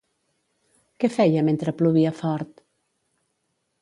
Què feia mentre plovia fort?